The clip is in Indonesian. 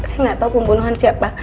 saya nggak tahu pembunuhan siapa